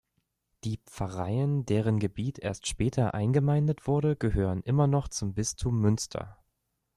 Die Pfarreien, deren Gebiet erst später eingemeindet wurde, gehören immer noch zum Bistum Münster.